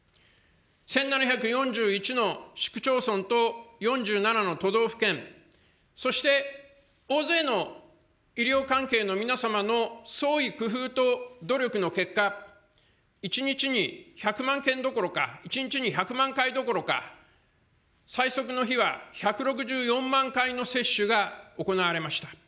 １７４１の市区町村と４７の都道府県、そして大勢の医療関係の皆様の創意工夫と努力の結果、１日に１００万件どころか、１日に１００万回どころか、最速の日は１６４万回の接種が行われました。